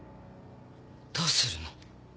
どうするの？